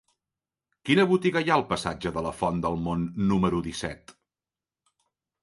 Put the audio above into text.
Quina botiga hi ha al passatge de la Font del Mont número disset?